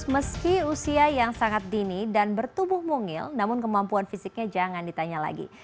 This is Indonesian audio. meski usia yang sangat dini dan bertubuh mungil namun kemampuan fisiknya jangan ditanya lagi